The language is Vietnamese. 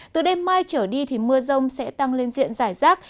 từ đêm mai trở đi thì mưa rông sẽ tăng lên diện giải rác